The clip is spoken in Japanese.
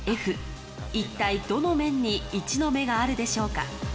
一体どの面に１の目があるでしょうか？